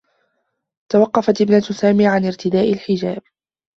توقّفت ابنة سامي عن ارتداء الحجاب.